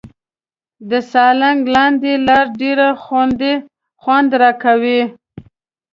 د سالنګ لاندې لار ډېر خوند راکاوه.